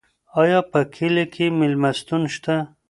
ایا په کلي کې مېلمستون شته؟